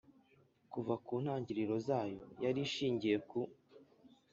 kuva mu ntangiriro zayo, yari ishingiye ku